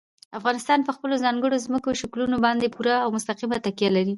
افغانستان په خپلو ځانګړو ځمکنیو شکلونو باندې پوره او مستقیمه تکیه لري.